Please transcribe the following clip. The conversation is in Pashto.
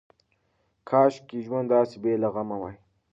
کاشکې ژوند داسې بې له غمه وای.